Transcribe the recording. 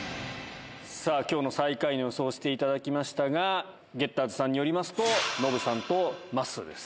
さあ、きょうの最下位の予想をしていただきましたが、ゲッターズさんによりますと、ノブさんとまっすーです。